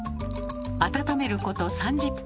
温めること３０分。